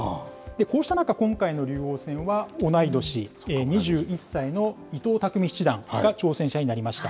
こうした中、今回の竜王戦は同い年、２１歳の伊藤匠七段が挑戦者になりました。